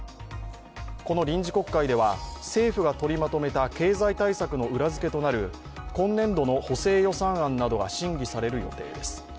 この臨時国会では政府が取りまとめた経済対策の裏付けとなる今年度の補正予算案などが審議される予定です。